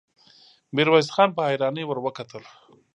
ميرويس خان په حيرانۍ ور وکتل.